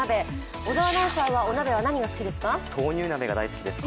小沢アナウンサーはお鍋は何が好きですか。